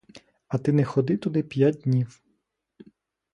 А ти не ходив туди п'ять днів.